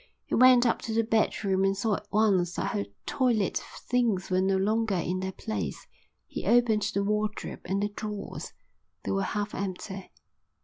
He went up to the bedroom and saw at once that her toilet things were no longer in their place. He opened the wardrobe and the drawers. They were half empty.